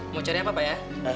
mau cari apa pak ya